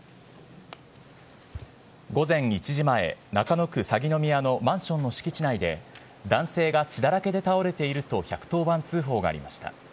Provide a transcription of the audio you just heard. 午前１時前、中野区鷺宮のマンションの敷地内で、男性が血だらけで倒れていると１１０番通報がありました。